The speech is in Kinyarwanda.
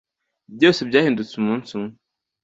Byose byahindutse umunsi umwe